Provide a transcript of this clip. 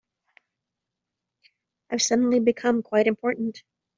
I've suddenly become quite important.